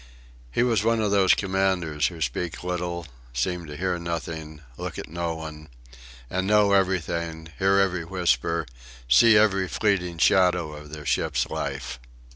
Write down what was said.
He was one of those commanders who speak little, seem to hear nothing, look at no one and know everything, hear every whisper, see every fleeting shadow of their ship's life.